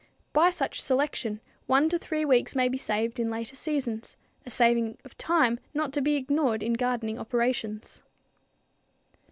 By such selection one to three weeks may be saved in later seasons, a saving of time not to be ignored in gardening operations.